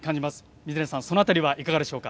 水谷さんその辺りはいかがでしょうか。